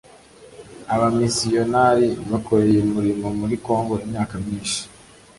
abamisiyonari bakoreye umurimo muri kongo imyaka myinshi